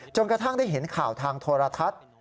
กระทั่งได้เห็นข่าวทางโทรทัศน์